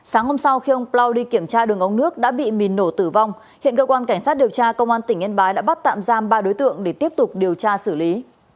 sáng hôm sau khi ông plau đi kiểm tra đường ống nước đã bị mìn nổ tử vong hiện cơ quan cảnh sát điều tra công an tỉnh yên bái đã bắt tạm giam ba đối tượng để tiếp tục điều tra xử lý